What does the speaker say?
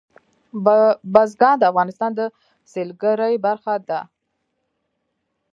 بزګان د افغانستان د سیلګرۍ برخه ده.